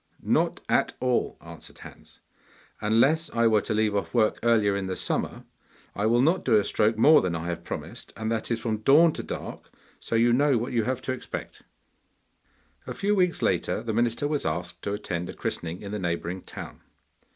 'Not at all!' answered Hans. 'Unless I were to leave off work earlier in summer, I will not do a stroke more than I have promised, and that is from dawn to dark; so you know what you have to expect.' A few weeks later the minister was asked to attend a christening in the neighbouring town.